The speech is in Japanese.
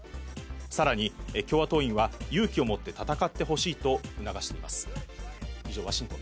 さらに共和党員は、勇気を持って戦ってほしいと促しています。